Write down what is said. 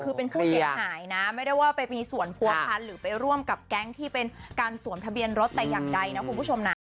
คือเป็นผู้เสียหายนะไม่ได้ว่าไปมีส่วนผัวพันธ์หรือไปร่วมกับแก๊งที่เป็นการสวมทะเบียนรถแต่อย่างใดนะคุณผู้ชมนะ